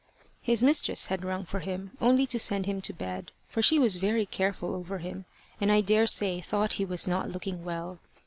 His mistress had rung for him only to send him to bed, for she was very careful over him and I daresay thought he was not looking well.